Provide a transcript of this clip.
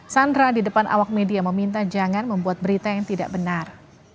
sandra di depan awak media meminta jangan membuat berita yang tidak benar